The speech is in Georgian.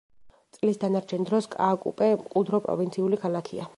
წლის დანარჩენ დროს, კააკუპე მყუდრო პროვინციული ქალაქია.